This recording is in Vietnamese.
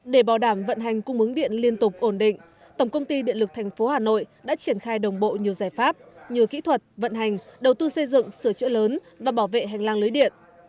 để bảo đảm vận hành cung ứng điện liên tục ổn định tổng công ty điện lực tp hà nội đã triển khai đồng bộ nhiều giải pháp như kỹ thuật vận hành đầu tư xây dựng sửa chữa lớn và bảo vệ hành lang lưới điện